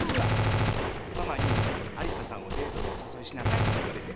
ママに有沙さんをデートにお誘いしなさいって言われて。